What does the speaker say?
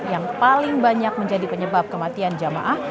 yang paling banyak menjadi penyebab kematian jamaah